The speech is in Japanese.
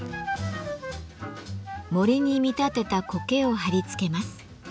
森に見立てたコケを貼り付けます。